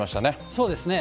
そうですね。